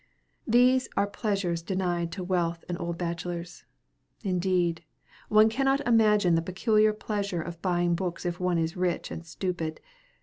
These are pleasures denied to wealth and old bachelors. Indeed, one cannot imagine the peculiar pleasure of buying books if one is rich and stupid.